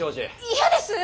嫌です！